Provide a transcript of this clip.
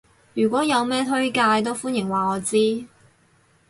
如果有咩推介都歡迎話我知